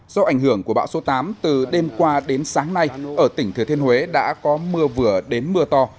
do ảnh hưởng của bão số tám từ đêm qua đến sáng nay ở tỉnh thừa thiên huế đã có mưa vừa đến mưa to